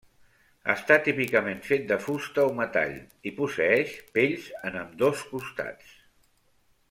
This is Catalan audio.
Està típicament fet de fusta o metall i posseeix pells en ambdós costats.